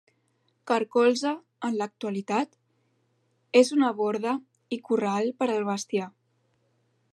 Carcolze, en l'actualitat, és una borda i corral per al bestiar.